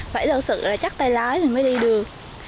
phải rõ ràng là chắc tay lái thì mới đi được